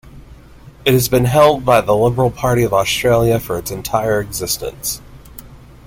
It has been held by the Liberal Party of Australia for its entire existence.